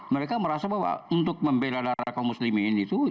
mereka merasa bahwa untuk membela darah kaum muslimin itu